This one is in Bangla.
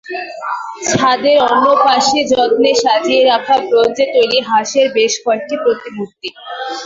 ছাদের অন্য পাশে যত্নে সাজিয়ে রাখা ব্রোঞ্জে তৈরি হাঁসের বেশ কয়েকটি প্রতিমূর্তি।